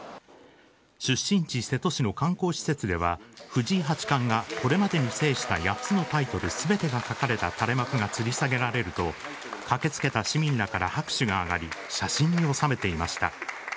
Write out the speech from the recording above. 出身地・瀬戸市の観光施設では藤井八冠がこれまでに制した８つのタイトル全てが書かれた垂れ幕がつり下げられると駆け付けた市民らから拍手が上がり写真に収めていました。